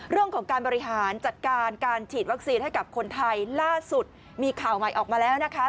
เรื่องของการบริหารจัดการการฉีดวัคซีนให้กับคนไทยล่าสุดมีข่าวใหม่ออกมาแล้วนะคะ